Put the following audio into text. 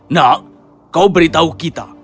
nah kau beritahu kita